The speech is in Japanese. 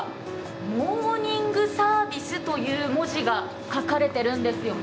モーニングサービスという文字が書かれてるんですよね。